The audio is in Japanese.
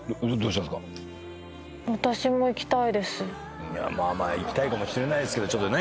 ⁉行きたいかもしれないですけどちょっとね